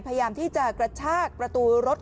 พยายามที่จะกระชากประตูรถ